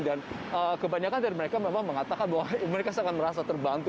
dan kebanyakan dari mereka memang mengatakan bahwa mereka sangat merasa terbantu